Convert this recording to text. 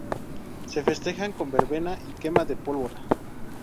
Se festejan con verbena y quema de pólvora.